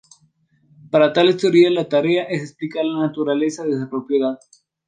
Para tales teorías, la tarea es explicar la naturaleza de esa propiedad.